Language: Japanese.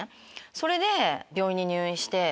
それで病院に入院して。